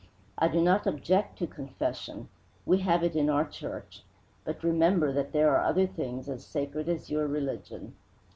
I do not object to confession we have it in our church; but remember that there are other things as sacred as your religion."